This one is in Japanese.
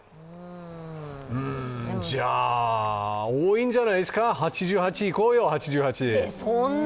じゃ、多いんじゃないですか、８８いこうよ、８８。